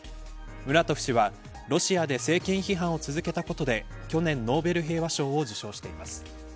ムラトフ氏はロシアで政権批判を続けたことで去年ノーベル平和賞を受賞しています。